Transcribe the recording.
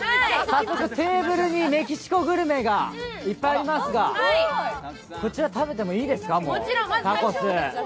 早速、テーブルにメキシコグルメがいっぱいありますが、こちら食べてもいいですか？